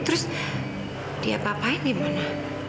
terus dia apa apain dimana